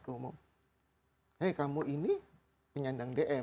saya berkata kamu ini penyandang dm